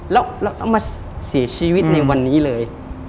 แล้วเอามาเสียชีวิตในวันนี้เลย